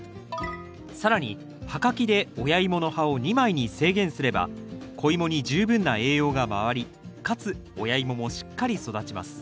更に葉かきで親イモの葉を２枚に制限すれば子イモに十分な栄養が回りかつ親イモもしっかり育ちます。